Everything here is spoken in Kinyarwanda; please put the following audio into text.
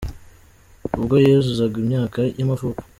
ubwo yuzuzaga imyaka y’amavuko.